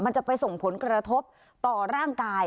จะไปส่งผลกระทบต่อร่างกาย